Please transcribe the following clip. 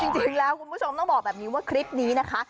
คุณผู้ชมต้องบอกแบบนี้ว่าคลิปนี้นะคะ